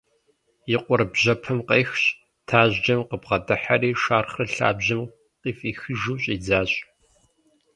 И къуэр бжьэпэм къехщ, тажьджэм къыбгъэдыхьэри шэрхъыр лъабжьэм къыфӀихыжу щӀидзащ.